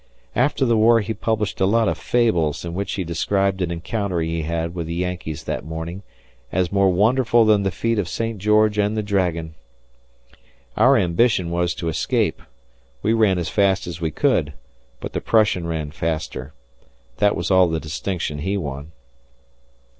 After the war he published a lot of fables in which he described an encounter he had with the Yankees that morning as more wonderful than the feat of St. George and the Dragon. Our ambition was to escape. We ran as fast as we could, but the Prussian ran faster. That was all the distinction he won.